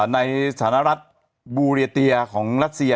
ในฐานะรัฐบูเรียเตียของรัสเซีย